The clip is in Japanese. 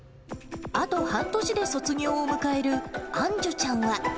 あと半年で卒業を迎える、あんじゅちゃんは。